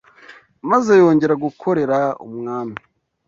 maze yongera gukorera umwami